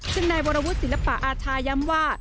ซึ่งนายวรวุฒิศิลปะอาชายย้ำว่า